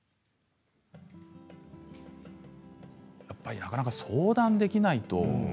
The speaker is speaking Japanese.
やっぱりなかなか相談できないと。